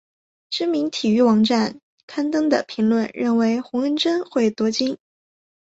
知名体育网站刊登的评论认为洪恩贞会夺金。